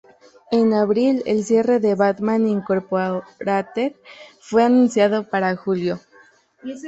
En abril, el cierre de "Batman, Incorporated" fue anunciado para julio.